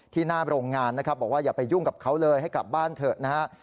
หน้าโรงงานนะครับบอกว่าอย่าไปยุ่งกับเขาเลยให้กลับบ้านเถอะนะฮะ